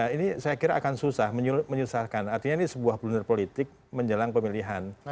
ini saya kira akan susah menyusahkan artinya ini sebuah blunder politik menjelang pemilihan